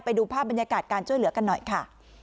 ไปดูภาพบรรยากาศการช่วยเหลือกันหน่อยค่ะ